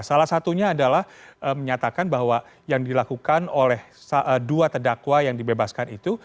salah satunya adalah menyatakan bahwa yang dilakukan oleh dua terdakwa yang dibebaskan itu